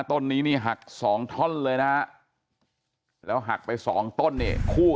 ต้นนี้นี่หักสองท่อนเลยนะแล้วหักไปสองต้นเนี่ยคู่